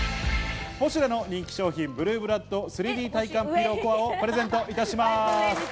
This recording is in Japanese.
ポシュレの人気商品「ブルーブラッド３Ｄ体感ピローＣＯＲＥ」をプレゼントいたします。